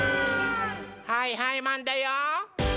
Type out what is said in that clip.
はいはいマンだよ！